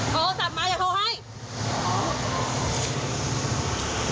โทรศัพท์มาอย่าโทรให้